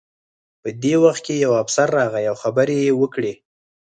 په دې وخت کې یو افسر راغی او خبرې یې وکړې